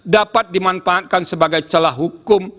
dapat dimanfaatkan sebagai celah hukum